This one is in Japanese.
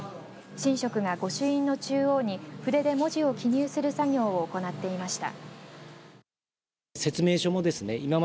神職が御朱印の中央に筆で文字を記入する作業を行っていました。